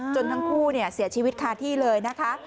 ทั้งคู่เสียชีวิตคาที่เลยนะคะ